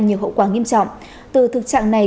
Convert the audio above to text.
nhiều hậu quả nghiêm trọng từ thực trạng này